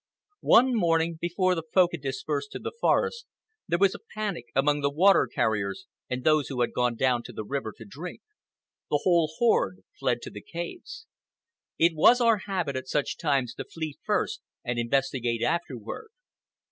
One morning, before the Folk had dispersed to the forest, there was a panic among the water carriers and those who had gone down to the river to drink. The whole horde fled to the caves. It was our habit, at such times, to flee first and investigate afterward.